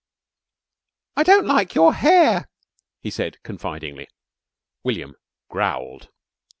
"I don't like your hair," he said confidingly. William growled.